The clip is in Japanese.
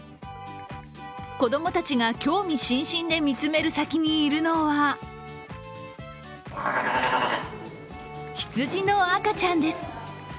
子供たちが興味津々で見つめる先にいるのは羊の赤ちゃんです。